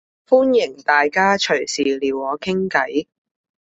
歡迎大家隨時撩我傾計